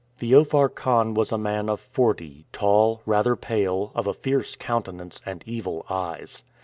Feofar Khan was a man of forty, tall, rather pale, of a fierce countenance, and evil eyes.